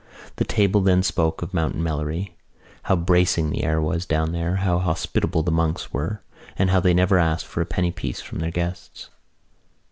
The table then spoke of Mount Melleray, how bracing the air was down there, how hospitable the monks were and how they never asked for a penny piece from their guests.